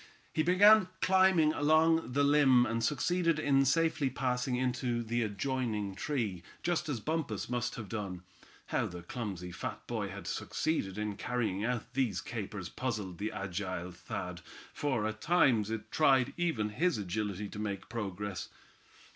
He began climbing along the limb, and succeeded in safely passing into the adjoining tree, just as Bumpus must have done. How the clumsy fat boy had succeeded in carrying out these capers puzzled the agile Thad, for at times it tried even his agility to make progress.